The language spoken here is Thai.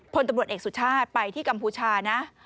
พลตำรวจเอกสุชาติไปที่กัมพูชานะ